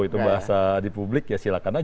itu bahasa di publik ya silakan aja